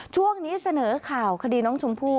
ช่วงนี้เสนอข่าวคดีน้องชมพู่